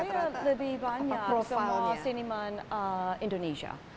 saya lebih banyak dengan siniman indonesia